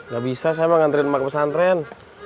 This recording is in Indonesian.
gak bisa saya emang anterin emak ke pesantren